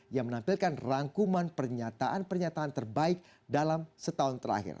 yang menampilkan rangkuman pernyataan pernyataan terbaik dalam setahun terakhir